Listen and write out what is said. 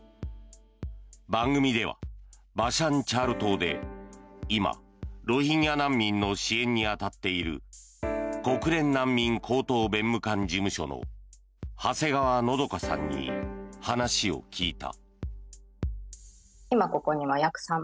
番組ではバシャンチャール島で今ロヒンギャ難民の支援に当たっている国連難民高等弁務官事務所の長谷川のどかさんに話を聞いた。